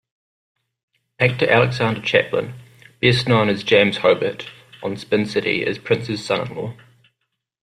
Actor Alexander Chaplin, best known as "James Hobert" on "Spin City", is Prince's son-in-law.